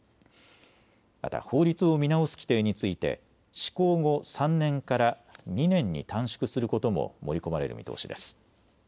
また法律を見直す規定について施行後、３年から２年に短縮することも盛り込まれる見通しです。